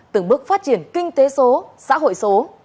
từng bước phát triển kinh tế số xã hội số